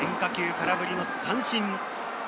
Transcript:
空振りの三振。